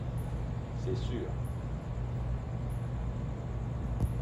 C’est sûr